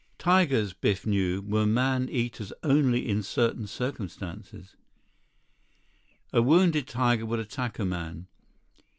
Tigers, Biff knew, were man eaters only in certain circumstances. A wounded tiger would attack a man.